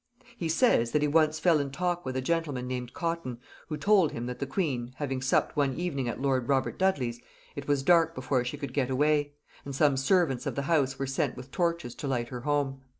He says, that he once fell in talk with a gentleman named Cotton, who told him, that the queen, having supped one evening at lord Robert Dudley's, it was dark before she could get away; and some servants of the house were sent with torches to light her home.